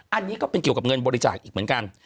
อันนี้ก็เป็นเกี่ยวกับเงินบริจาคอีกเหมือนกัน